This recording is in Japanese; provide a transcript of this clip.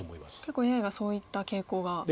結構ＡＩがそういった傾向が。